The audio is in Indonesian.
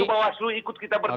itu bahwa silu ikut kita berdebat